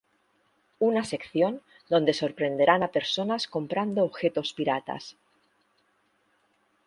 una sección donde sorprenderán a personas comprando objetos piratas